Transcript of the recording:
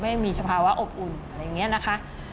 ไม่มีสภาวะอบอุ่นอะไรอย่างนี้นะคะ